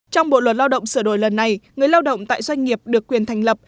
trong bộ luật lao động sửa đổi lần này người lao động tại doanh nghiệp được quyền thành lập